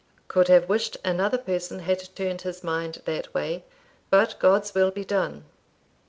Could have wished another person had turned his mind that way; but God's will be done.